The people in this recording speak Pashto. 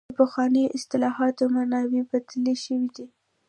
د پخوانیو اصطلاحاتو معناوې بدلې شوې دي.